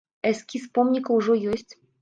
Эскіз помніка ўжо ёсць.